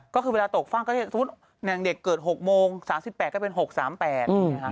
ก็คือเวลาตกฟากก็จะสมมุติแหล่งเด็กเกิด๖โมง๓๘ก็เป็น๖๓๘นะครับ